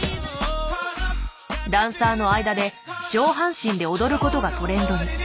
ダンサーの間で上半身で踊ることがトレンドに。